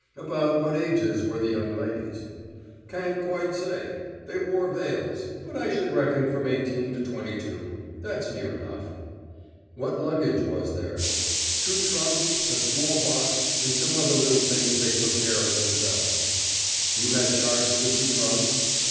"About what ages were the young ladies?" "Can't quite say. They wore veils; but I should reckon from eighteen to twenty two. That's near enough." "What luggage was there?" "Two trunks, a small box, and some other little things they took care of themselves." "You had charge of the two trunks?"